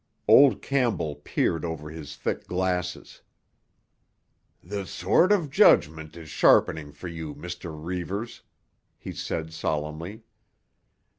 Old Campbell peered over his thick glasses. "The sword of judgment is sharpening for you, Mr. Reivers," he said solemnly.